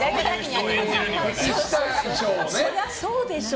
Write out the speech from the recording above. そりゃそうでしょ